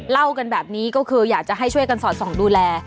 เล่ากันแบบนี้ก็คืออยากจะให้ช่วยกันสอดส่องดูแล